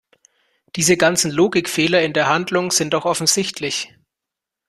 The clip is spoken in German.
Diese ganzen Logikfehler in der Handlung sind doch offensichtlich!